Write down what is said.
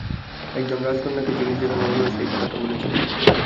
একজন রাজকন্যাকে চিনি যে তোমার বয়সে এই কথাটাই বলেছিলো।